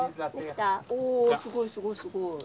おすごいすごいすごい。